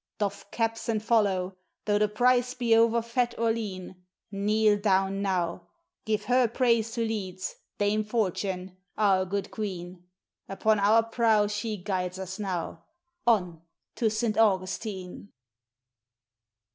Doff caps and follow: though the prize be over fat or lean, Kneel down now; give her praise who leads, Dame Fortune, our good Queen! Upon our prow she guides us now! On to Saint Augustine!